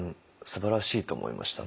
すばらしいと思いました。